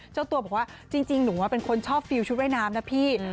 เจ้าตัวบอกว่าจริงหนูเป็นคนชอบฟิลชุดว่ายน้ำนะพี่